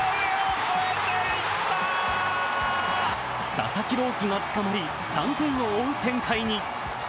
佐々木朗希がつかまり、３点を追う展開に。